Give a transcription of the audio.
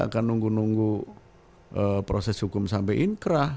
kita gak akan nunggu nunggu proses hukum sampai inkrah